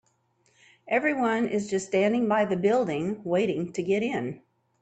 Everyone is just standing by the building, waiting to get in.